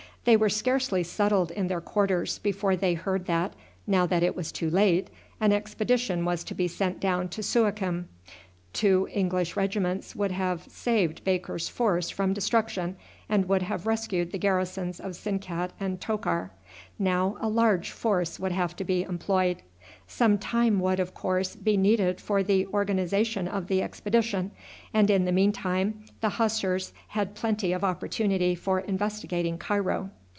They were scarcely settled in their quarters before they heard that, now that it was too late, an expedition was to be sent down to Suakim. Two English regiments would have saved Baker's force from destruction, and would have rescued the garrisons of Sinkat and Tokar; now a large force would have to be employed. Some time would, of course, be needed for the organization of the expedition, and in the meantime the Hussars had plenty of opportunity for investigating Cairo.